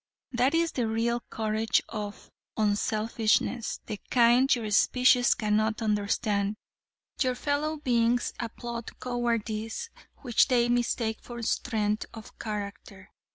That is the real courage of unselfishness the kind your species cannot understand. Your fellow beings applaud cowardice which they mistake for strength of character.